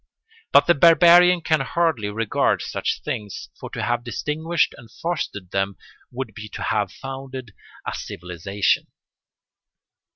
But the barbarian can hardly regard such things, for to have distinguished and fostered them would be to have founded a civilisation.